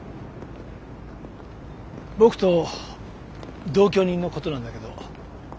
僕と同居人のことなんだけど。